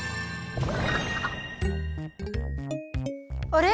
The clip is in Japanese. あれ？